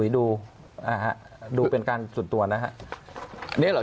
ดูเป็นการสุดตัวนะครับ